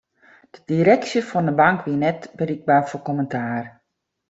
De direksje fan 'e bank wie net berikber foar kommentaar.